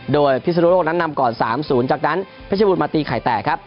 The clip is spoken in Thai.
โดยพิศนุโลกนั้นนำก่อน๓๐จากนั้นเพชรบูรณมาตีไข่แตกครับ